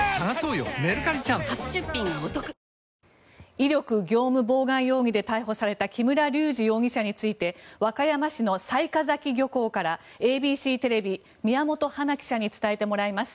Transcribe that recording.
威力業務妨害容疑で逮捕された木村隆二容疑者について和歌山市の雑賀崎漁港からＡＢＣテレビ宮本華記者に伝えてもらいます。